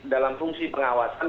dalam fungsi pengawasan